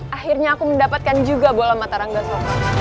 akhirnya aku mendapatkan juga bola mata nangga soka